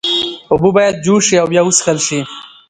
اوبه باید جوش شي او بیا وڅښل شي۔